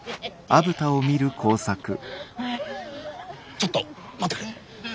ちょっと待ってくれ。